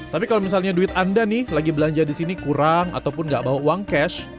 tapi kalau misalnya duit anda nih lagi belanja di sini kurang ataupun nggak bawa uang cash